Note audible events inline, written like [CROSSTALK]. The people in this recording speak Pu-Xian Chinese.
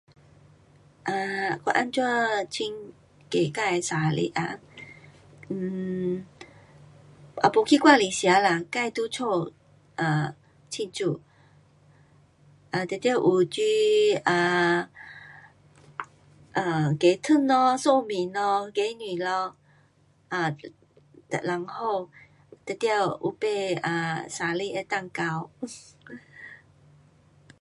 um 我怎样庆祝自的生日啊，um 也没去外里吃啦，自在家庆祝。定然有煮啊 um 鸡汤咯，寿面咯，鸡蛋咯，um 哒然后定然有买 um 生日的蛋糕 [LAUGHS]